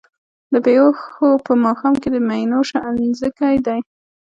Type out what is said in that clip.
د بــــــې هــــــوښو په ماښام کي د مینوشو انځکی دی